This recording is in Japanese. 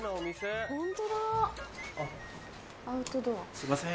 すいません。